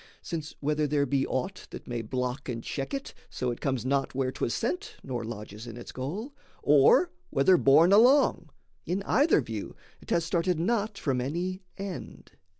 Since whether there be Aught that may block and check it so it comes Not where 'twas sent, nor lodges in its goal, Or whether borne along, in either view 'Thas started not from any end.